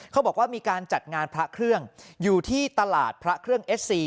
เขาบอกว่ามีการจัดงานพระเครื่องอยู่ที่ตลาดพระเครื่องเอสซี